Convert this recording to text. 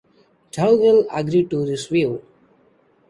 Dougal agreed to this view.